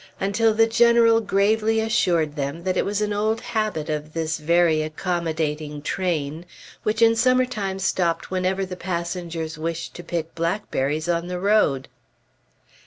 until the General gravely assured them that it was an old habit of this very accommodating train, which in summer time stopped whenever the passengers wished to pick blackberries on the road.